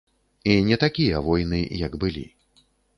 І не такія войны, як былі.